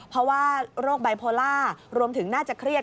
เพราะว่าโรคไบโพล่ารวมถึงน่าจะเครียด